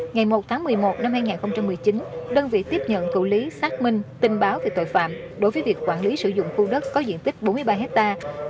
ngày một tháng một mươi một năm hai nghìn một mươi chín đơn vị tiếp nhận thủ lý xác minh tình báo về tội phạm đối với việc quản lý sử dụng khu đất có diện tích bốn mươi ba hectare